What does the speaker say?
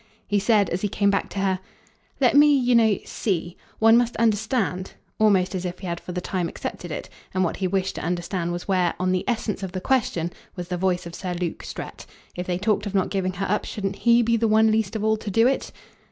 He said, as he came back to her, "Let me, you know, SEE one must understand," almost as if he had for the time accepted it. And what he wished to understand was where, on the essence of the question, was the voice of Sir Luke Strett. If they talked of not giving her up shouldn't HE be the one least of all to do it?